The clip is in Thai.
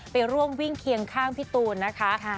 ไปร่วมวิ่งเคียงข้างพี่ตูนนะคะ